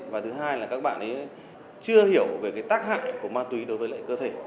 và thứ hai là các bạn ấy chưa hiểu về tác hại của ma túy đối với lại cơ thể